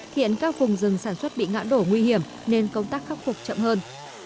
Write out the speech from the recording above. hiện các vùng rừng sản xuất bị ngã đổ nguy hiểm nên công tác khắc phục chậm hơn